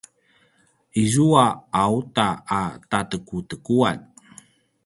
izua auta a tatekutekuan